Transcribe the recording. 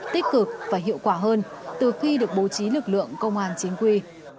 tích cực và hiệu quả hơn từ khi được bố trí lực lượng công an chính quy